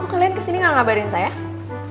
kok kalian kesini gak ngabarin tentang ini